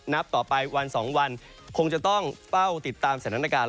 นับต่อไปวัน๒วันคงจะต้องเฝ้าติดตามสถานการณ์